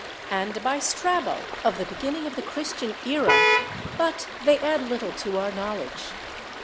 and by Strabo of the beginning of the Christian era, but they add little to our knowledge.